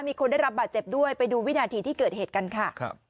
มีคนได้รับบาดเจ็บด้วยไปดูวินาทีที่เกิดเหตุกันค่ะ